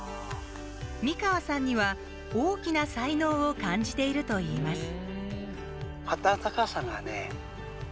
三川さんには、大きな才能を感じているといいます。